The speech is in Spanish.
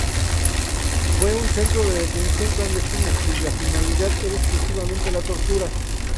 Fue un centro de detención clandestina cuya finalidad era exclusivamente la tortura.